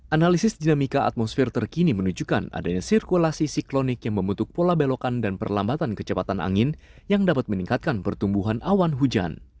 analisis dinamika atmosfer terkini menunjukkan adanya sirkulasi siklonik yang membentuk pola belokan dan perlambatan kecepatan angin yang dapat meningkatkan pertumbuhan awan hujan